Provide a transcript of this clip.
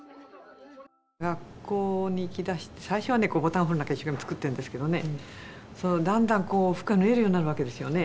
学校に行きだして最初はボタンを一生懸命作ってたんですがだんだん服を縫えるようになるわけですよね。